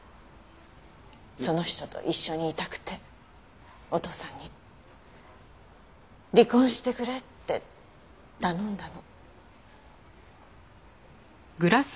その人と一緒にいたくてお父さんに離婚してくれって頼んだの。